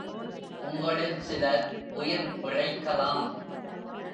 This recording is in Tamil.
உங்களில் சிலர் உயிர் பிழைக்கலாம்!